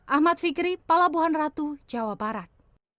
ahmad fikri palabuhan ratu jawa barat